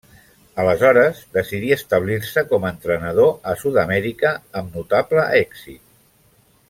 Aleshores, decidí establir-se com a entrenador a Sud-amèrica, amb notable èxit.